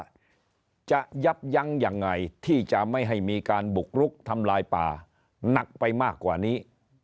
ว่าจะยับยั้งยังไงที่จะไม่ให้มีการบุกรุกทำลายป่าหนักไปมากกว่านี้